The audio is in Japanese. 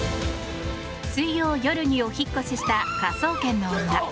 水曜夜にお引っ越しした「科捜研の女」。